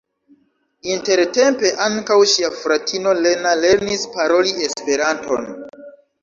Intertempe ankaŭ ŝia fratino Lena lernis paroli Esperanton.